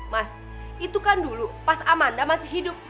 mas itu kan dulu pas amanda masih hidup